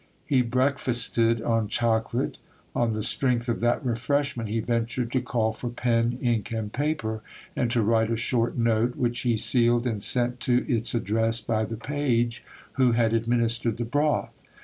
He breakfasted on chocolate. On the strength of that refreshment, he ventured to call for pen, ink, and paper, and to write a short note, which he sealed and sent to its address by the page who had ad ministered the broth.